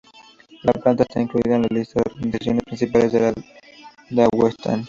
La planta está incluida en la lista de organizaciones principales de Daguestán.